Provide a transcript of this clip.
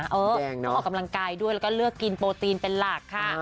ต้องออกกำลังกายด้วยแล้วก็เลือกกินโปรตีนเป็นหลักค่ะ